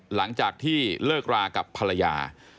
หลังจากที่เลิกรากับภรรยา